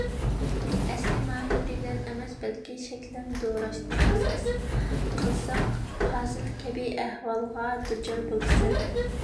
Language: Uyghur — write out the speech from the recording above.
ئەسلىي ماھىيتى بىلەن ئەمەس، بەلكى شەكلەن دوراشنى ئاساس قىلساڭ، پازىل كەبى ئەھۋالغا دۇچار بولىسەن.